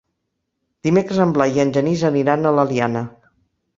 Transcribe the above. Dimecres en Blai i en Genís aniran a l'Eliana.